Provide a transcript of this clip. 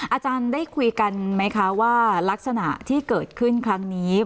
อาจารย์ได้คุยกันไหมคะว่ารักษณะที่เกิดขึ้นครั้งนี้